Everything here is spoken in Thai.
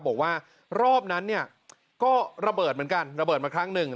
บอกว่ารอบนั้นเนี่ยก็ระเบิดเหมือนกันระเบิดมาครั้งหนึ่ง